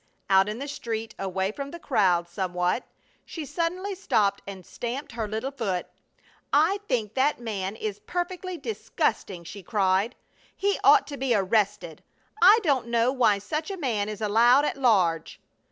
Out in the street, away from the crowd somewhat, she suddenly stopped and stamped her little foot: "I think that man is perfectly disgusting!" she cried. "He ought to be arrested! I don't know why such a man is allowed at large!"